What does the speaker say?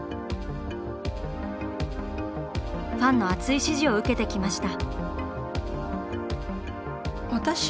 ファンの熱い支持を受けてきました。